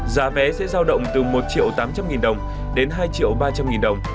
giá vé sẽ giao động từ một triệu tám trăm linh nghìn đồng đến hai triệu ba trăm linh nghìn đồng